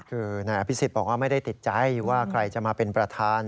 คือนายอภิษฎบอกว่าไม่ได้ติดใจว่าใครจะมาเป็นประธาน